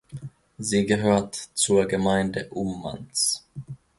Sie gehört zur Gemeinde Ummanz.